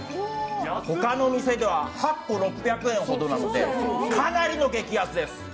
他のお店では８個６００円ほどなのでかなりの激安です！